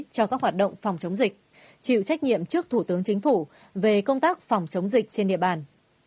cho các hoạt động phòng chống dịch chịu trách nhiệm trước thủ tướng chính phủ về công tác phòng chống dịch trên địa bàn